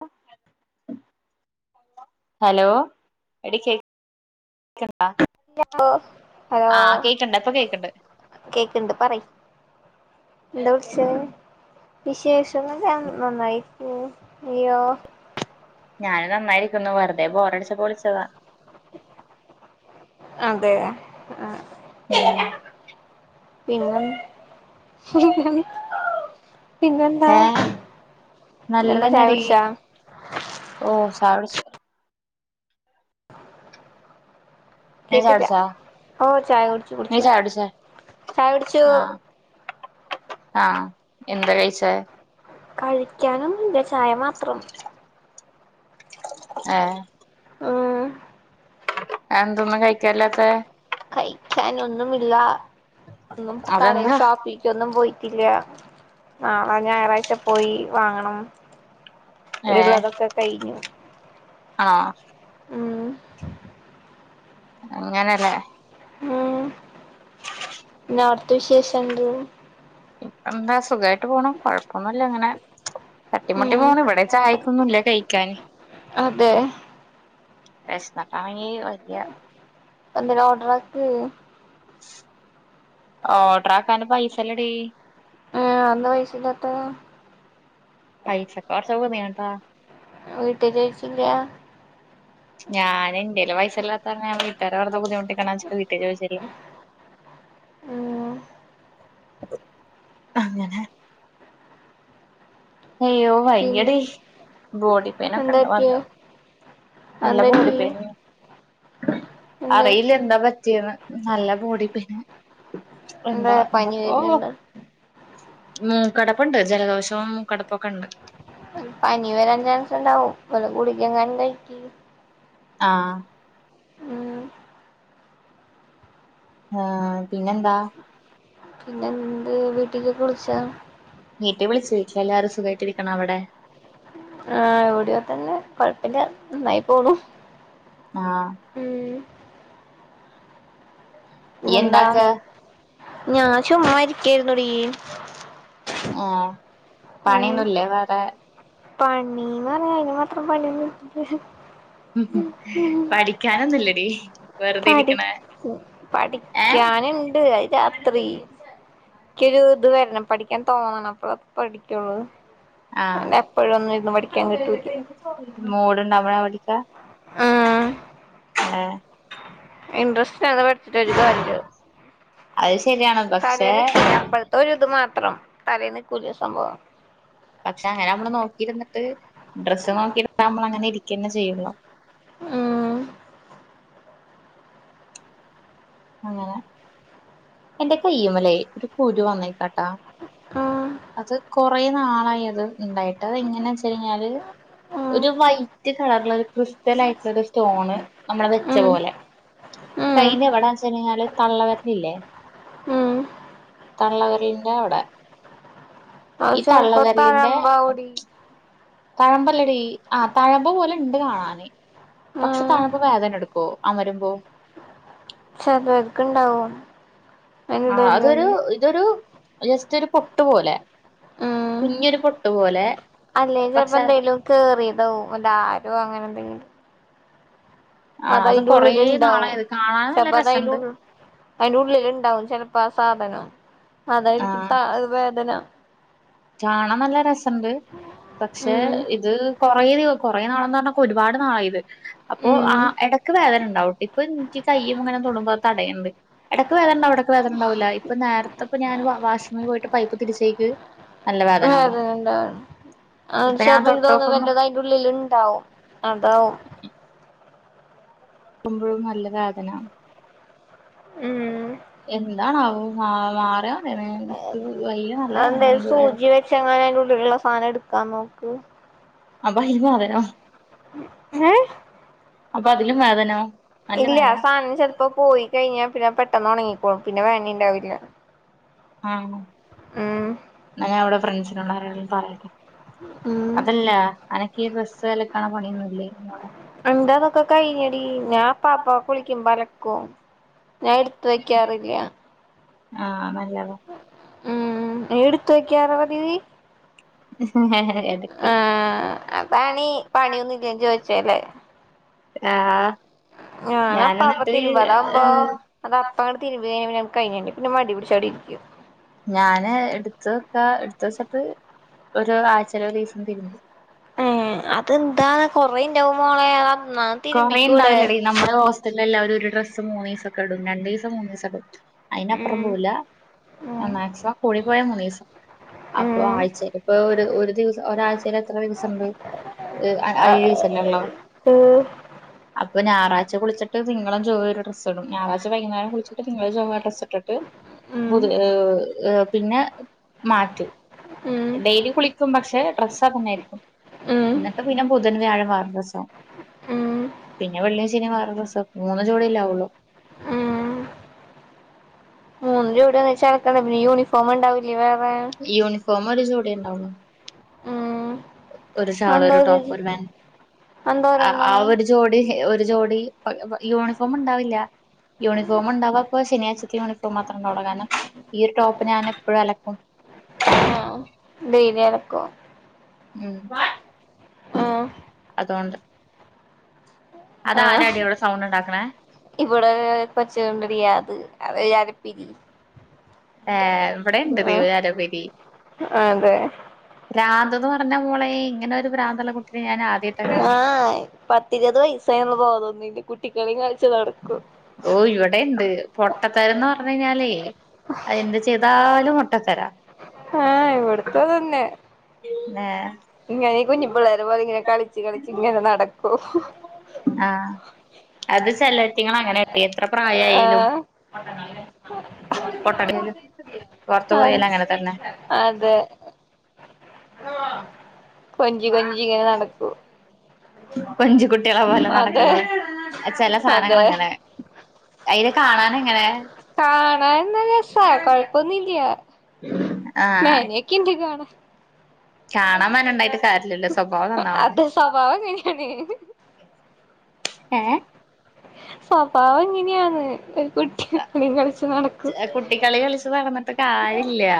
ഓ [unintelligible] hello എടി കേക്ക് ക്ക്ണ്ടാ ഓ ഹലോ ആഹ് കേക്ക്ണ്ട് ഇപ്പൊ കേക്ക്ണ്ട് കേക്ക്ണ്ട് പറയ് എന്താ വിളിച്ചേ വിശേഷം ഒന്നുല്ല നന്നായി പോവും ഇയ്യോ ഞാനും ന്നായിരിക്കുന്നു വെറുതെ ബോർ അടിച്ചപ്പോ വിളിച്ചതാ അതെ ആഹ് [unintelligible] പിന്നെന്ത് പിന്നെന്താ എന്താ ചായ നല്ലതെന്നെടീ കുടിച്ചാ ഓ ചായകുടിച്ച് ണ് നി ചായ കേട്ടില്ല കുടിച്ചോ ഓ ചായ കുടിച്ചു നീ കുടിച്ചു ചായ കുടിച്ചോ ചായ കുടിച്ചു ആഹ് എന്താ കഴിച്ചെ കഴിക്കാനൊന്നുല്ല ചായ മാത്രം [inaudible] ഏഹ് ഉം അതെന്താ ഒന്നും കഴിക്കാനില്ലാത്തെ കഴിക്കാനൊന്നുമില്ല ഒന്നും കട അതെന്താ ഷോ ക്കൊന്നും പോയിട്ടില്ല നാളെ ഞായറാഴ്ച പോയി വാങ്ങണം ഏഹ് ഇവിടെള്ളതൊക്കെ കഴിഞ്ഞു ആഹ് ഉം അങ്ങനെല്ലേ ഉം അവിട്ത്തെ വിശേഷം എന്ത്‌ എന്താ സുഖായിട്ട് പോണു കൊഴപ്പൊന്നുല്ല അങ്ങനെ തട്ടിമുട്ടി ഉം പോണ് ഇവിടെ ചായക്കൊന്നുല്ല കഴിക്കാന് അതെ വിശന്നിട്ടാണെങ്കി വയ്യ എന്തെലും ഓർഡറാക്ക് ഓഡറാക്കാന് പൈസല്ലടീ ഏഹ് ന്നാ വിശന്നോട്ടെ പൈസക്ക് കുറച്ച് ബുദ്ധിമുട്ടാ വീട്ടിൽ ചോയിച്ചില്ല [inaudible] ഞാന് ഇന്റെല് പെെസല്ലാത്താകാരണം ഞാൻ വീട്ടുകാരെ വെറുതെ ബുദ്ധിമുട്ടിക്കണ്ടാച്ച്ട്ട് വീട്ടി ചോദിച്ചില്ല ഉം അങ്ങനെ ഹയ്യോ പിന്നെ വയ്യടീ ബോഡി പെയിനൊക്കെ എന്താ ഉണ്ട് പറ്റിയെ നല്ലോം നല്ല എന്താ പറ്റി ബോഡീപെയിൻ എന്തായി അറിയില്ല എന്താ പറ്റിയേന്ന് നല്ല ബോഡി പെയിൻ എന്താ പനി എന്താപ്പൊ വരുന്നുണ്ട് മൂക്കടപ്പുണ്ട് ജലദോഷവും മൂ കടപ്പൊക്കെ ഉണ്ട് പനി വരാൻ ചാൻസുണ്ടാവും വല്ല ഗുളിക എങ്ങാനും കഴിക്ക് ആഹ് ഉം ആഹ് പിന്നെന്താ പിന്നെണ്ട് വീട്ടിക്കൊക്കെ വിളിച്ചാ വീട്ടി വിളിച്ചു എല്ലാരും സുഖമായിട്ടിരിക്ക്ണ അവിടെ ആഹ് ഇവിടിം അങ്ങനെ തന്നെ കൊഴപ്പല്ല നന്നായി പോണു ആഹ് ഉം ഇയ്യ് പിന്നെന്താ എന്താക്ക ഞാൻ ചുമ്മായിരിക്കെയ്രുന്നെടീ ആഹ് പണിയൊന്നുല്ലേ വേറെ പണിന്ന് പറഞ്ഞ അതിന് മാത്രം പണിയൊന്നില്ല ഹ് ഹ് പഠിക്കാനൊന്നുല്ലടീ വെറുതെ ഇരിക്ക്ണെ ഉം പഠിക്കാന്ണ്ട് അത് രാത്രി ഇക്കൊരു ഇത് വരണം പഠിക്കാൻ തോന്നണം അപ്പളാ പഠിക്കൊള്ളൂ ആഹ് കിട്ടൂല മൂട്ണ്ടാവവോണ്ടീട്ടാ ആഹ് ആഹ് ഇൻട്രസ്റ്റവാതെ പഠിച്ചിട്ടൊരു കാര്യല്ല അത് ശരിയാണ് പക്ഷെ തരേന്ന്കെ അപ്പ ഒരിത് മാത്രം തലേന്ന് കൂല സംഭവം പക്ഷെ അങ്ങനെ അമ്മള് നോക്കിയിരുന്നിട്ട് ഡ്രസ്സ് നോക്കി നമ്മളങ്ങനെ ഇരിക്കന്നെ ചെയ്യുള്ളൂ ഉം അങ്ങനെ എന്റെ കയ്യുമലേ ഒരു കുരു വന്നേക്ക ട്ടാ ഉം അത് കൊറെ നാളായി അത് ഇണ്ടായിട്ട് അത് എങ്ങന വെച്ചഴിഞ്ഞാല് ഉം ഒരു വൈറ്റ് കളറില് ഒരു ക്രിസ്റ്റൽ ആയിട്ടുള്ള ഒരു സ്റ്റോണ് നമ്മള് വെച്ച ഉം പോലെ ഉം കയ്യിന്റെവടാൻചാ ചെന്നാല് തള്ളവെരലില്ലേ ഉം തള്ളവെരലിന്റെ അവിടെ അത് ഈ തള്ള ചെലപ്പോ വെരലിന്റെ തഴമ്പ ഓഹ് കൂടി തഴമ്പല്ലടി ആ തഴമ്പ് പോലെ ഇണ്ട് കാണാന് ഉം പക്ഷെ തഴമ്പ് വേദന എടു- ക്കു അമരുമ്പോ ചലവർക് ഇണ്ടാവും ആഹ് അതൊരു അതിനിടയിലൊന്ന് അതൊരു ജസ്റ്റ് ഒരു പൊട്ട് പോലെ കുഞ്ഞൊരു പൊട്ടു പോലെ അല്ലേൽ ചെൽപോ പക്ഷെ എന്തേലും കേറിയതാവും വല്ല ആരോ അങ്ങനെന്തെങ്കിലും ആഹ് അത് കൊറേ അതയിന്റുള്ളില് നാളായി ഇണ്ടാവും ഇത് കാണാൻ നല്ല ചൽപ്പഅതയിന്റെ രസണ്ട് ഉള്ളില് അയിന്റെുള്ളില് ഇണ്ടാവും ചെലപ്പ ആ സാധനം അതായിരിക്കും ത വേദന കാണാ നല്ല രസണ്ട് പക്ഷെ ഉം ഇത് കൊറെ കൊറെ നാളെന്ന് പറഞ്ഞ കൊരുപാട് നാളായി ഇത് അപ്പൊ ഉം ആ എടയ്ക്ക് വേദന ഇണ്ടാവും ഇപ്പൊ എനിക്ക് കയ്യുംതൊടുബോ ഇങ്ങനെ തടയണ് ണ്ട്. എടയ്ക്ക് വേദനിണ്ടാവും എടയ്ക്ക് വേദനണ്ടാവുല്ല ഇപ്പ നേരത്ത് പ്പ ഞാന് വാ വാഷ്റൂമി പോയിട്ട് പൈപ്പ് തിരിച്ചേക്ക് നല്ല വന്നു വേദന ഉണ്ടോ അഹ് ഇപ്പൊ ഞാൻ ചെൽപോ ഇന്ക് തോന്നുന്നത് തൊട്ടോക്കുമ്പോ വല്ലതും അയിന്റെ ഉള്ളിൽ ഇണ്ടാവും അതാവും [inaudible] ക്കുമ്പോഴും നല്ല വേദന ഉം എന്താണാവോ മാവ മാറിയാ മതയ്നി വയ്യ പു വയ്യാ നല്ല വേദനണ്ട് എടക്ക്‌ ചെങ്ങായിന്റുള്ളില്ല്ല സാനംഎടുക്കാ നോക്ക് ആഹ് ബഹിമോതര [unintelligible] ഏഹ് അപ്പൊ അതിലും വേദനോ നല്ല വേ ല്ലെ ആഹ് സാനം ചെലപ്പോ പോയി യി കയിഞ്ഞാ പിന്നെ പെട്ടെന്ന് ഒണങ്ങിക്കോളും പിന്നെ വേദനിണ്ടാവില്ല ആഹ് ഉം ന്ന ഞാനിവിടെ ഫ്രണ്ട്സിനോട് ആരേലും പറയട്ടെ അതല്ല അനക്കി ഡ്രസ് അലക്ക്‌ണ പണിയൊന്നുല്ലേ മോളെ അന്റെതൊക്കെ കയിഞ്ഞടി ഞാൻ അപ്പപ്പ കുളിക്കുമ്പ അലക്കു ഞാൻ എടുത്ത് വെക്കാറില്ല ആഹ് നല്ലതാ ഉം ഏടുത്തു വെക്കാറാ പതിവ് [inaudible] ആഹ് പണി പണിയൊന്നുല്ലേ ചോയിച്ചേല് ആഹ് ഞാനപ്പ ഞാന് അപ്പ എന്നിട്ട് തിരുമ്പ് അതാവുമ്പോ അത് അപ്പ ആണ് തിരുമ്പേനി പിന്നെ ആണ് കഴിഞ്ഞേനി പിന്ന മടി പിടിച്ചവിടെ ഇരിക്കും. ഞാന് എടുത്ത് വെക്ക എടുത്ത് വെച്ചിട്ട് ഒരു ആഴ്ചേലൊരീസം തിരുമ്പും. ഏഹ് അതെന്താ കൊറെണ്ടാവും മോളെ അയ് അന്നാന്ന് തിരുമ്പിക്കൂടെ ത്ത്ലെല്ലാവരും ഒരു ഡ്രസ്സ് മൂന്നീസൊക്കെ ഇടും രണ്ടീസം മൂന്നീസൊക്കെ പറ്റും. അയിനപ്പുറം ഉം പോവുല്ല മാക്സിമം കൂടി പോയാ മൂന്നീസം. അപ്പൊ ഉം ആഴ്ചേല് ഇപ്പൊ ഒര് ഒര് ദിവസം ഒരാഴ്ച്ചേല് എത്ര ദിവസണ്ട്? ഇഹ് ആഹ് ഏഴീസല്ലള്ളേ ഓഹ് അപ്പ ഞാറാഴ്ച്ച കുളിച്ചിട്ട് തിങ്കളും ചൊവ്വേ ഒരു ഡ്രസ്സ്ടും ഞാറാഴ്ച്ച വൈകുന്നേരം കുളിച്ചിട്ട് തിങ്കളും ചൊവ്വേം ആ ഡ്രസ്സ്ട്ട്ട്ട് ബുധ് ഏഹ് പിന്നെ മാറ്റും ഡെയ്ലി കുളി ക്കും പക്ഷെ ഡ്രസ്സ് അതെന്നായിര്ക്കും ഇന്നട്ട് പിന്നെ ബുധൻ വ്യാഴം വേറെ ഡ്രസ്സാവും. പിന്നെ വെള്ളീം ശെനിം വേറെ ഡ്രെസ്സ് വെക്കും മൂന്ന് ജോട്യല്ലേ ആവോള്ളു. മൂന്ന് ജോട്യാന്നെച്ച് അലക്കണ്ടെ പിന്ന യൂണിഫോമ്ണ്ടാവില്ല്യേ വേറെ യൂണിഫോമ് ഒര് ജോട്യേണ്ടാവോള്ളു. ഉം ഒരു ഷാളൊരു ടോപ്പ് ഒരു പാന്റ് അതെന്താ ആ ഒരെണ്ണം ഒരു ജോടി ഒര് ജോടി യൂണിഫോമ്ണ്ടാവില്ല യൂണിഫോമ്ണ്ടാവാപ്പൊ ശനിയാഴ്ച്ചത്തെ യൂണി ഫോം മാത്രണ്ടാവോള്ളൂ കാരണം ഈ ഒരു ടോപ്പ് ഞാന് എപ്പഴും അലക്കും. ആഹ് [unintelligible] ഉം, ആഹ് അതോണ്ട്. ആഹ് അതാരാടീ അവ്ടെ സൗണ്ട്ണ്ടാക്ക്ണേ? ഇവിടെ കൊച്ചുണ്ടെടീ അത് അത് ഒര് അര പിരി ഏഹ് ഇവടേണ്ടടീ ആഹ് ഒര് അര പിരി. അതെ ഭ്രാന്ത്ന്ന് പറഞ്ഞ മോളെ ഇങ്ങനെ ഒരു ഭ്രാന്ത്ള്ള കുട്ടിനെ ഞാനാദ്യാ ആഹ് പത്തിരുപത് വയസായിന്ന്ള്ള ബോധൊന്നുല്ല്യ കുട്ടികളിം കള്ച്ച് നടക്കും. ഓഹ് ഇവിടേണ്ട്, പൊട്ടത്തരന്ന് പറഞ്ഞെയ്ഞ്ഞാലേ അയ് എന്ത് ചെയ്താലും പൊട്ടത്തരാ ആഹ് ഇവിടുത്തൂ അതെന്നെ. ന്നെ ഇങ്ങനെ ഈ കുഞ്ഞു പിള്ളേരെ പോലെങ്ങനെ കളിച്ച് കളിച്ചിങ്ങനെ നടക്കൂ. ആ അത് ചെലേറ്റ്ങ്ങളങ്ങനേപ്പെ എത്ര പ്രായായാലും [inaudible] പൊട്ട [unintelligible] പൊറത്ത് അഹ് പോയലു അങ്ങനെ തന്നെ. അതെ [inaudible] കൊഞ്ചി കൊഞ്ചിങ്ങനെ നടക്കൂ. കൊഞ്ചി കുട്ട്യേളെ പോലെ അതെ നടക്കണേ അയ് ചെല അതെ സാനങ്ങളങ്ങനേ അയ്നെ കാണാനെങ്ങനെ? കാണാൻ നല്ല രസാ മേനേക്കെണ്ട് കാണാ, കാണാൻ മനണ്ടായിട്ട് കാര്യല്ലല്ലോ സ്വഭാവം നന്നാവണ്ടേ അത സ്വഭാവങ്ങന്യാണ്. ഏഹ്? സ്വഭാവം അങ്ങന്യാന്ന് ഒരു കുട്ടി കള്യും കള്ച്ച് നട അയ് കുട്ടിക്കളി കളിച്ച് നടന്ന്ട്ട് കാര്യല്ല്യ.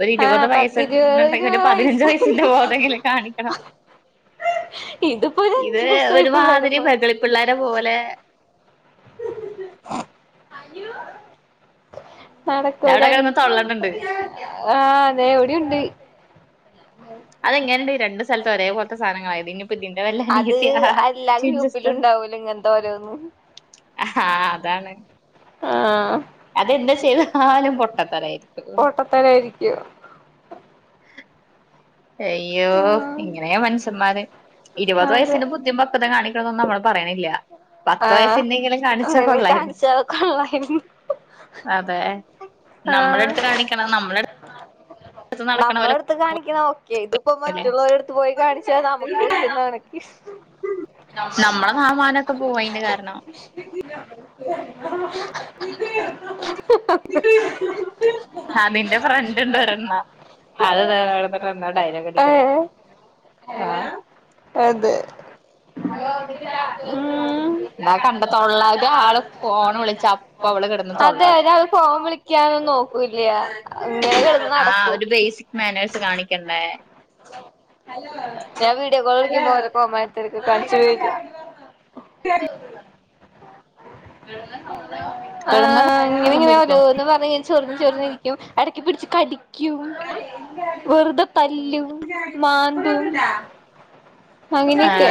ഒരു ഇരുപത് ആഹ് പത്തിരുപത് വയസ്ന്ന്ണ്ടെങ്കില് ഒരു ഇരുപത് പതിനഞ്ച് വയസ്സിന്റെ വയസ്സുണ്ട് ബോധെങ്കിലും കാണിക്കണം. ഇതിപ്പോ ഒരു ഇത് അഞ്ചു വയസ്സായ പിള്ളേരെ ഒരുമാതിരി പോലെ വെകളിപ്പിള്ളാരെ പോലെ [inaudible] നടക്കൂല്ല അവിടെ കിടന്ന് തൊള്ളണുണ്ട് ആഹ് അതെ ഇവിട്യൂണ്ട്. അതെങ്ങനെണ്ട് രണ്ട് സ്ഥലത്ത് ഒരേ പോലത്തെ സാധനങ്ങളായത് ഇനിയിപ്പോ ഇതിന്റെ വല്ല [inaudible] അത് അനിയത്തിയാ എല്ലാ ഗ്രൂ പ്പലൂണ്ടാവൂലോ ഇങ്ങൻത്തെ ഓരോന്ന് ഹാ അതാണ്. ആഹ്, അതെന്ത് ചെയ്താലും പൊട്ടത്തരായിരിക്കും പൊട്ടത്തരായിരിക്കും അയ്യോ ആഹ് ഇങ്ങനെയാ മനുഷൻമാര് ഇരുപത് അതെ വയസ്സിന്റെ ബുദ്ധീം പക്വതേം കാണിക്കണന്നൊന്നും അമ്മള് പറയണില്ല്യ പത്ത് വയസിൻ്റെ എങ്കിലും കാണിച്ചാ കൊള്ളായിരുന്നു ഹാ കൊള്ളായിരുന്നു അതെ ആഹ് നമ്മളെടുത്ത് കാണിക്കണം നമ്മളെടു നമ്മളെടുത്ത് കാണിക്കണ ഓക്കെ ഇതിപ്പോ ല്ലേ മറ്റുള്ളവരടുത്ത് പോയി കാണിച്ചാ നമുക്കും ഇല്ലെ നാണക്കേട് ഞമ്മടെ നാണോം മാനോം ഒക്കെ പോയി ഇത് കാരണം അതെ അതിന്റെ ഫ്രണ്ട് ഉണ്ട് ഒരെണ്ണം അത് ദേ അവിടെ നിന്നിട്ടെന്തോ ഡയലോഗ് അടിക്കുന്ന് ഏഹ് അതെ ഉം എന്നാ കണ്ട തൊള്ള ഒരാള് ഫോണ് വിളിച്ച അപ്പ അവള് കിടന്ന് അതെ തൊള്ളാടും ഒരാള് ഫോൺ വിളിക്ക ക്കതൊന്ന് നോക്കൂല്യ ഇങ്ങനെ കെടന്ന് ആഹ് നടക്കും ഒരു ബേസിക് മാനേഴ്സ് കാണിക്കണ്ടേ ഞാൻ വീഡിയോ കോള് വിളിക്കുമ്പോ ഓരോ കോമാളിത്തരൊക്കെ കാണിച്ചു വരും [unintelligible] കിടന്ന ആഹ് ഇങ്ങനെ സൗണ്ടിരിക്കും ഇങ്ങനെയോരോന്ന് പറഞ്ഞ് ചൊറിഞ്ഞ് ചൊറിഞ്ഞിരിക്കും എടയ്ക്ക് പിടിച്ച് കടി ക്കും വെറുതെ തല്ലും മാന്തും അങ്ങിനെയൊക്കെ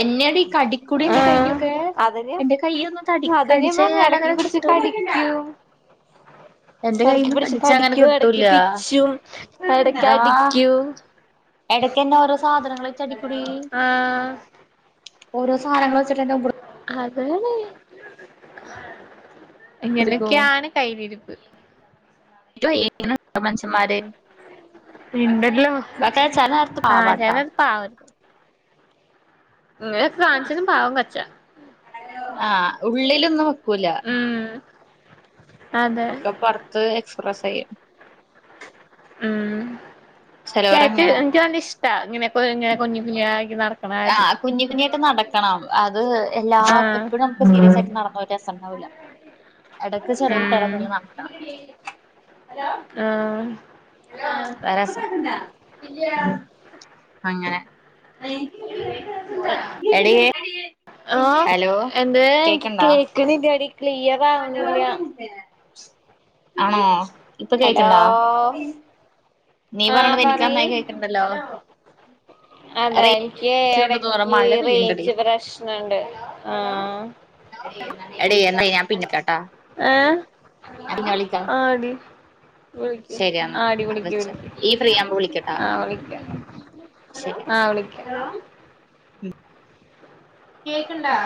എന്നെയെടീ കടിക്കൂടി എൻ്റെ കൈയൊക്കെ അതന്നെ എന്റെ കൈയൊന്ന് കടി അതന്നെ ഞാൻ കടിച്ചു പറഞ്ഞെ എടക്ക് കഴിഞ്ഞാലങ്ങനെ പിടിച്ച് കടിക്കും എന്റെ എടക്ക് കയ്യിൽന്ന് പിടിച്ച് കടിച്ചാ അങ്ങനെ കടിക്കും എടക്ക് കിട്ടൂലാ പിച്ചും എടക്ക് ആഹ് അടിക്കും എടയ്ക്കെന്നെ ഓരോ സാധനങ്ങള് വെച്ചടിക്കൂടി ആ ഓരോ സാധനങ്ങള് വച്ചിട്ടെന്നെ ഉപ അതാണ് ക്കും ഇങ്ങനെയൊക്കെയാണ് കയ്യിലിരുപ്പ് എനിക്ക് വയ്യ ഇങ്ങനെ ഉണ്ടോ മനുഷ്യന്മാര് നിന്നല്ലോ ഇതൊക്കെ ചില നേരത്ത് ആഹ് പാവാട്ടാ ഞാനിപ്പോ [unintelligible] ഇങ്ങനെ കാണിച്ചാലും പാവം കൊച്ചാ ആഹ് ഉള്ളിലൊന്നും വെക്കൂല ഉം അതെ ഒക്കെ പൊറത്ത് എക്സ്പ്രസ് ചെയ്യും ഉം ക്യാറ്റ് ചെലോരങ്ങനെ എനിക്ക് നല്ല ഇഷ്ടാ ഇങ്ങനെ കൊഞ്ഞി കൊഞ്ഞികുഞ്ഞിയായി ഇങ്ങ് നടക് ആഹ് കുഞ്ഞീട്ട് വീണ്ടും നടക്കണം അത് എല്ലാം ആഹ് എപ്പഴും നമുക്ക് സീരിയസ് ആയിട്ട് നടന്ന രസണ്ടാവില്ല എടക്ക് ചെറിയ കുട്ടികളെ ഉം പോലെ നടക്കണം ആഹ് അതാ രസം അങ്ങനെ എടിയേ ആഹ് എന്തേ എനിക്ക് കേക്ക്ണില്ല എടി ക്ലിയർ ആവ്ണില്ല. ആണോ, ഇപ്പൊ ഹലോ കേക്ക്ണ്ടോ? നീ ആഹ് പറിണത് എനിക്ക് പറയ് നന്നായി കേക്ക്ണ്ടല്ലോ. അതെ. ഇൻക്ക്യ് റേഞ്ച് കൊണ്ട് തോന്നുണു എടക്ക് മഴ പെയ്യ്ണ്ടടി റേഞ്ച് പ്രശ്നണ്ട് ആഹ്. എടീ എന്നാ ഞാൻ പിന്നെ വിളിക്കാട്ടാ ഏഹ്? ഞാൻ പിന്നെ വിളിക്കാം ആഹ് ടി വിളിക്ക് ശരി എന്നാ ആഹ് ടി വിളിക്ക് വെച്ചോ വിളിക്ക്. ഈ ഫ്രീയാവുമ്പോ വിളിക്കട്ടാ ആഹ് വിളിക്ക്യാ ശരി ആഹ് വിളിക്ക്യാ. കേക്ക്ണ്ടോ?